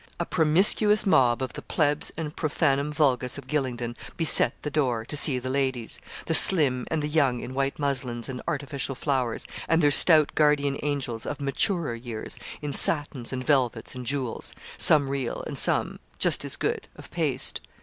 A promiscuous mob of the plebs and profanum vulgus of Gylingden beset the door, to see the ladies the slim and the young in white muslins and artificial flowers, and their stout guardian angels, of maturer years, in satins and velvets, and jewels some real, and some, just as good, of paste.